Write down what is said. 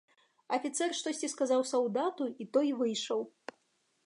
Афіцэр штосьці сказаў салдату, і той выйшаў.